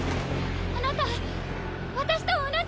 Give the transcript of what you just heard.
あなた私と同じ。